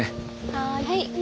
はい。